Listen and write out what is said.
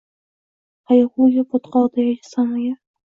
Qaygu botqogida yashasam agar